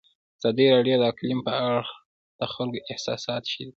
ازادي راډیو د اقلیم په اړه د خلکو احساسات شریک کړي.